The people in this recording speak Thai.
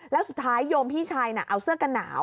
แล้วสุดท้ายโยมพี่ชายน่ะเอาเสื้อกันหนาว